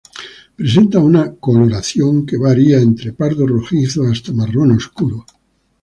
Presenta una coloración que varía entre pardo-rojizo hasta marrón oscuro.